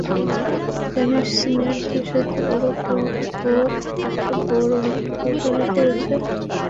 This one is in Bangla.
জানিস সিনিয়রদের সাথে ও একটা বড় হট্টগোল তৈরি করেছে?